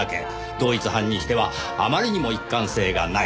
同一犯にしてはあまりにも一貫性がない。